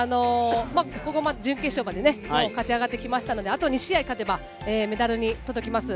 準決勝まで勝ち上がってきましたので、あと２試合勝てばメダルに届きます。